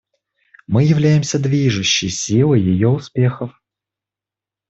Мы являемся движущей силой ее успехов.